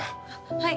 はい。